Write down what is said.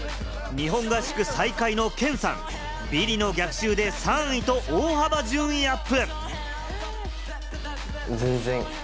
壁を乗り越え、日本合宿最下位のケンさん、ビリの逆襲で３位と大幅順位アップ！